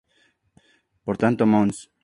Por tanto Mons.